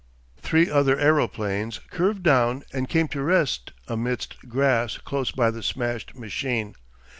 Three other aeroplanes curved down and came to rest amidst grass close by the smashed machine.